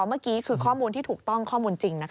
เมื่อกี้คือข้อมูลที่ถูกต้องข้อมูลจริง